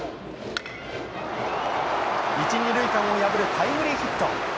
１、２塁間を破るタイムリーヒット。